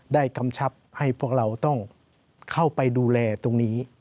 กำชับให้พวกเราต้องเข้าไปดูแลตรงนี้